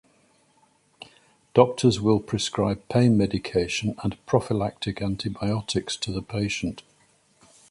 Doctors will prescribe pain medication and prophylactic antibiotics to the patient.